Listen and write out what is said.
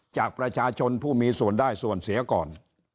จากประชาชนผู้มีส่วนได้ส่วนเสียก่อน